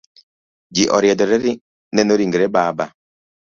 Ji oriedo neno ringre baba.